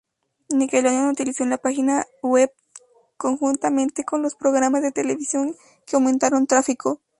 Nickelodeon utilizó la página web conjuntamente con los programas de televisión que aumentaron tráfico.